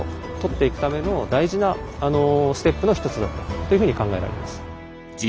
っていうふうに考えられます。